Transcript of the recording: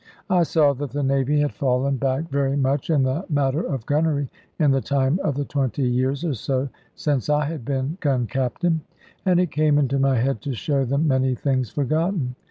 I saw that the Navy had fallen back very much in the matter of gunnery, in the time of the twenty years, or so, since I had been Gun captain; and it came into my head to show them many things forgotten.